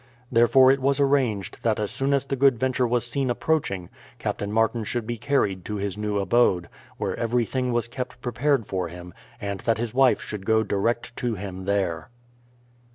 Therefore it was arranged that as soon as the Good Venture was seen approaching, Captain Martin should be carried to his new abode, where everything was kept prepared for him, and that his wife should go direct to him there.